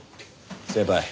先輩。